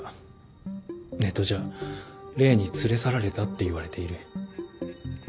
ネットじゃ霊に連れ去られたっていわれている。